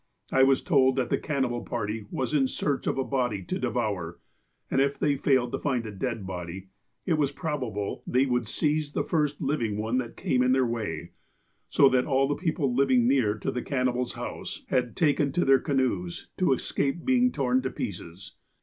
I was told that the cannibal party was in search of a body to devour, and if they failed to find a dead body, it was probable they would seize the first living one that came in their way, so that all the people living near to the cannibal's house, had taken to their canoes to escape being torn to pieces.